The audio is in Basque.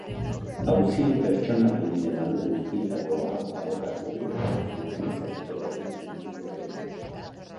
Auzian pertsonatu diren alde guztietako abokatuei deklarazioetan izateko baimena eman die epaileak.